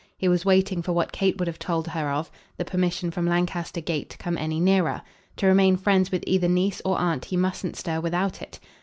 He was waiting for what Kate would have told her of the permission from Lancaster Gate to come any nearer. To remain friends with either niece or aunt he mustn't stir without it.